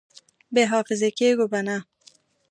بې حافظې کېږو به نه!